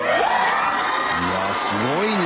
いやすごいね。